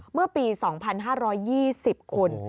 เมื่อปี๒๕๒๐คุณ